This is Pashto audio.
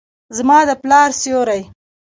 زما د پلار سیوري ،